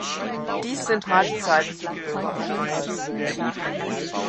Dies sind harte Zeiten für die Bürger Europas.